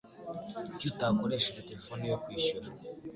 Kuki utakoresheje terefone yo kwishyura?